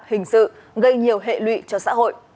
hình sự gây nhiều hệ lụy cho xã hội